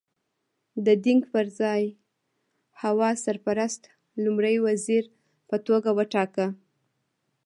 د دینګ پر ځای هوا سرپرست لومړی وزیر په توګه وټاکه.